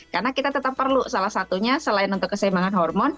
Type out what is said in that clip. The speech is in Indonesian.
karena kita tetap perlu salah satunya selain untuk keseimbangan hormon